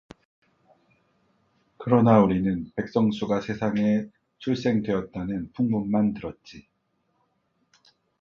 그러나 우리는 백성수가 세상에 출생되었다는 풍문만 들었지